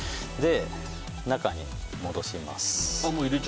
中に戻します。